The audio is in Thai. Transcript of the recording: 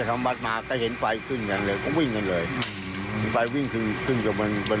ตรงนี้มันกลุ่มขึ้นมาอย่างไรคุณไม่รู้